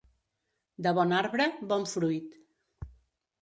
De bon arbre, bon fruit.